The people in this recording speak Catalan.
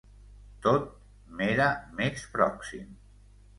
Tot m'era més pròxim.